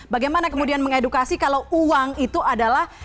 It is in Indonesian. bagaimana kemudian mengedukasi kalau uang itu adalah